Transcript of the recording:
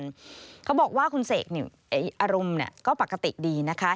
เขาบอกว่าคุณเสกเนี่ยอารมณ์ก็ปกติดีนะคะ